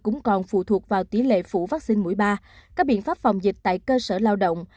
cũng còn phụ thuộc vào tỷ lệ phủ vaccine mũi ba các biện pháp phòng dịch tại cơ sở lao động